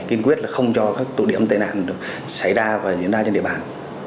kiên quyết là không cho các tụ điểm tên ạn xảy ra và diễn ra trên địa bàn